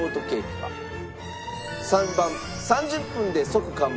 ３番３０分で即完売。